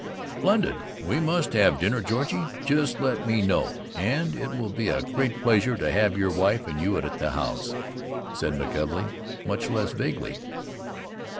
"Splendid! We must have dinner together, Georgie. Just let me know. And it will be a great pleasure to have your wife and you at the house," said McKelvey, much less vaguely.